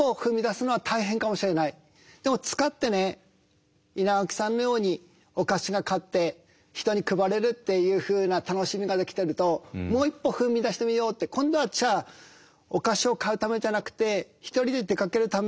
でも使って稲垣さんのようにお菓子が買って人に配れるっていうふうな楽しみができてるともう一歩踏み出してみようって今度はじゃあお菓子を買うためじゃなくて１人で出かけるため。